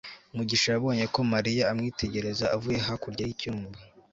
mugisha yabonye ko mariya amwitegereza avuye hakurya y'icyumba